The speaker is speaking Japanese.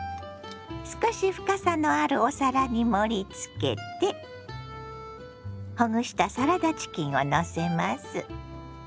少し深さのあるお皿に盛りつけてほぐしたサラダチキンをのせます。